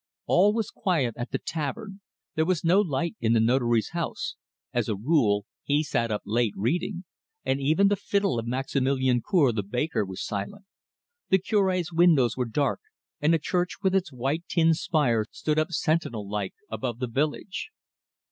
All was quiet at the tavern; there was no light in the Notary's house as a rule, he sat up late, reading; and even the fiddle of Maximilian Cour, the baker, was silent. The Cure's windows were dark, and the church with its white tin spire stood up sentinel like above the village.